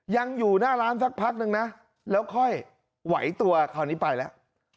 ยังอยู่หน้าร้านสักพักนึงนะแล้วค่อยไหวตัวคราวนี้ไปแล้ว